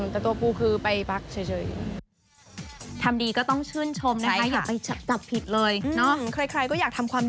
แต่ตัวปูคือไปพักเฉย